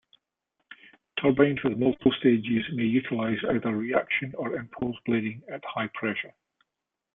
Turbines with multiple stages may utilize either reaction or impulse blading at high pressure.